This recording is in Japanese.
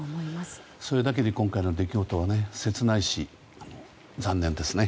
それだけで今回の出来事は切ないし残念ですね。